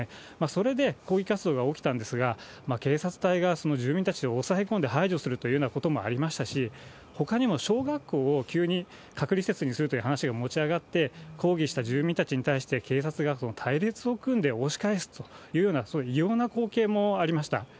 それで抗議活動が起きたんですが、警察隊がその住民たちを押さえ込んで排除するというようなこともありましたし、ほかにも小学校を急に隔離施設にするという話が持ち上がって、抗議した住民たちに対して、警察が隊列を組んで押し返すというような、そういうような異様な光景もありました。